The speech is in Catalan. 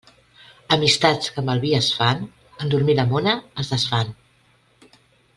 Amistats que amb el vi es fan, en dormir la mona es desfan.